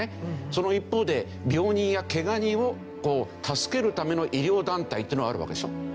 その一方で病人やケガ人を助けるための医療団体っていうのがあるわけでしょ。